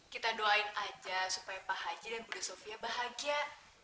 kita doain aja supaya pak haji dan budi sofia bahagia